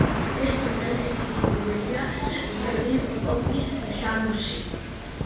ეს სიმღერა ერთ-ერთი პირველია ტრიპ-ჰოპის ჟანრში.